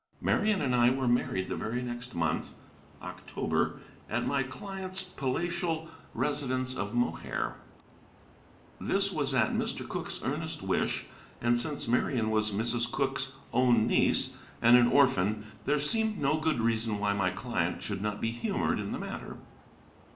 Marian and I were married the very next month, October, at my client's palatial residence of Mohair. This was at Mr. Cooke's earnest wish: and since Marian was Mrs. Cooke's own niece, and an orphan, there seemed no good reason why my client should not be humored in the matter.